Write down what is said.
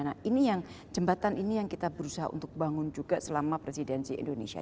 nah ini yang jembatan ini yang kita berusaha untuk bangun juga selama presidensi indonesia